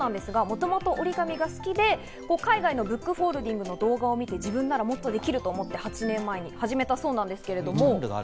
もともと折り紙が好きで、海外のブックフォールディングの動画を見て、自分ならもっとできるということで、８年前に始めたそうです。